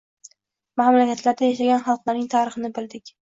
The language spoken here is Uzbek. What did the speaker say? Mamlakatlarda yashagan xalqlarning tarixini bildik.